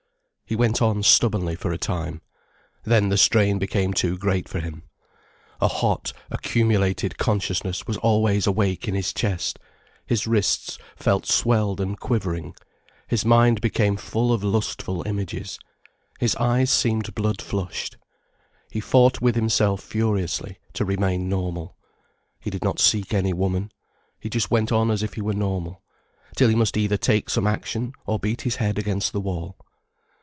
He went on stubbornly for a time. Then the strain became too great for him. A hot, accumulated consciousness was always awake in his chest, his wrists felt swelled and quivering, his mind became full of lustful images, his eyes seemed blood flushed. He fought with himself furiously, to remain normal. He did not seek any woman. He just went on as if he were normal. Till he must either take some action or beat his head against the wall.